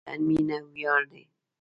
د وطن مینه ویاړ دی.